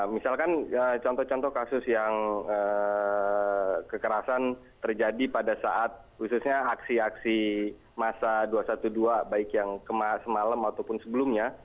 misalkan contoh contoh kasus yang kekerasan terjadi pada saat khususnya aksi aksi masa dua ratus dua belas baik yang semalam ataupun sebelumnya